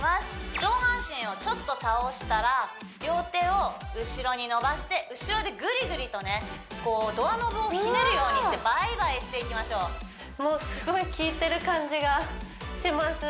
上半身をちょっと倒したら両手を後ろに伸ばして後ろでぐりぐりとねこうドアノブをひねるようにしてバイバイしていきましょうもうすごいきいてる感じがします